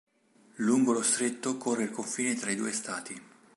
Lungo lo stretto corre il confine tra i due stati.